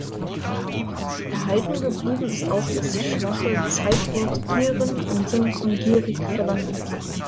Erhalten geblieben ist auch das schwache Zeitwort gieren im Sinne von "gierig verlangen.